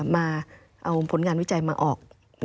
มาเอาผลงานวิจัยมาออก